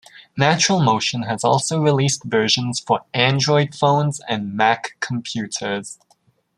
NaturalMotion has also released versions for Android phones and Mac computers.